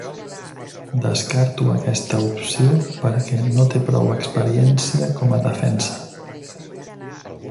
Descarto aquesta opció perquè no té prou experiència com a defensa.